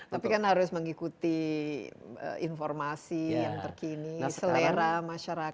tapi kan harus mengikuti informasi yang terkini selera masyarakat